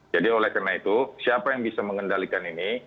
jadi oleh karena itu siapa yang bisa mengendalikan ini